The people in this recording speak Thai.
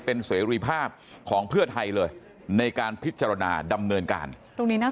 เป็นเสรีภาพของเพื่อไทยเลยในการพิจารณาดำเนินการตรงนี้น่า